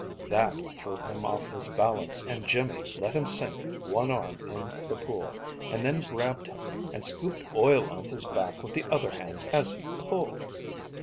That threw him off his balance, and Jimmy let him sink one arm in the pool, and then grabbed him, and scooped oil on his back with the other hand as he pulled.